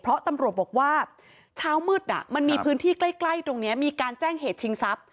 เพราะตำรวจบอกว่าเช้ามืดมันมีพื้นที่ใกล้ตรงนี้มีการแจ้งเหตุชิงทรัพย